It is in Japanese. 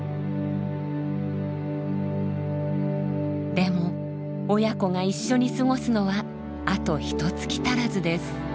でも親子が一緒に過ごすのはあとひとつき足らずです。